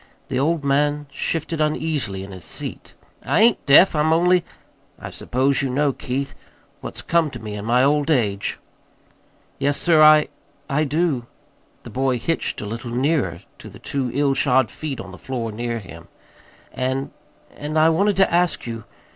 The old man shifted uneasily hi his seat. "I ain't deaf. I'm only I suppose you know, Keith, what's come to me in my old age." "Yes, sir, I I do." The boy hitched a little nearer to the two ill shod feet on the floor near him. "And and I wanted to ask you.